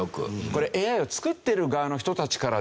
これＡＩを作っている側の人たちからですね